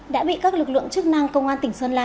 đã bị các lực lượng chức năng công an tỉnh sơn la